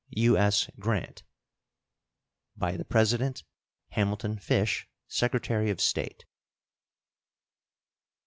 U.S. GRANT. By the President: HAMILTON FISH, Secretary of State.